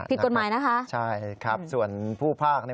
ผิดกฎหมายนะคะใช่ครับส่วนผู้ภาคเนี่ย